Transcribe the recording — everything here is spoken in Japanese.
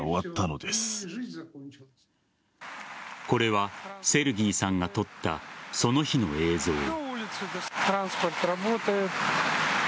これはセルギーさんが撮ったその日の映像。